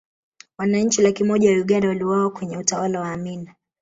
wananchi laki moja wa uganda waliuawa kwenye utawala wa amini